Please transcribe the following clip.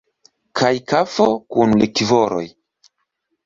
Kaj kafo kun likvoroj.